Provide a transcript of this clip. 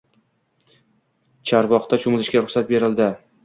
Chorvoqda choʻmilishga ruxsat berildi